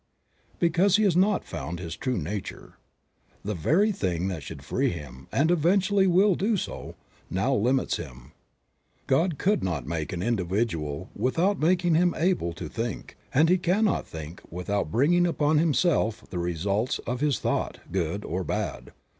because he has not found his true nature. The very thing that should free him, and eventually will do so, now limits him. God could not make an individual without making him able to think, and he cannot think without bringing upon himself the results of his thought, good or bad.